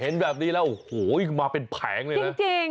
เห็นแบบนี้แล้วโอ้โหมาเป็นแผงเลยนะจริง